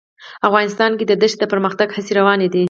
افغانستان کې د دښتې د پرمختګ هڅې روانې دي.